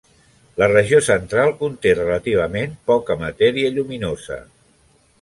La regió central conté relativament poca matèria lluminosa.